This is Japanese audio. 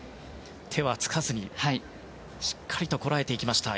手はつかずにしっかりこらえていきました。